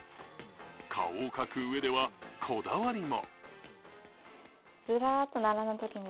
顔を描くうえではこだわりも。